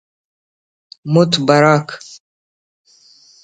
متبر آک